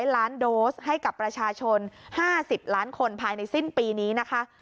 ล้านโดสให้กับประชาชน๕๐ล้านคนภายในสิ้นปีนี้นะคะ